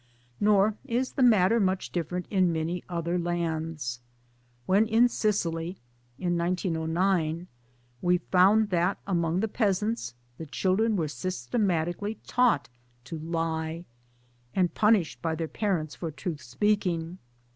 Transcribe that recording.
Nor is the matter much different in many other lands. When in Sicily (in 1909) we found that among the peasants the children were systematically taught to "lie, and punished by their parents for truth speaking.